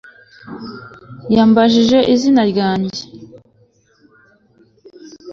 Yambajije izina ryanjye